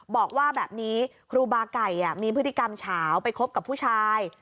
บอกว่าแบบนี้ครูบาไก่มีพฤติกรรมเฉาไปคบกับผู้ชาย